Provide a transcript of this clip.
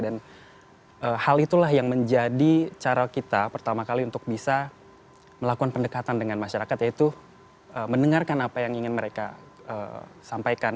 dan hal itulah yang menjadi cara kita pertama kali untuk bisa melakukan pendekatan dengan masyarakat yaitu mendengarkan apa yang ingin mereka sampaikan